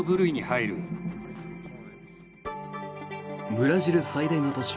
ブラジル最大の都市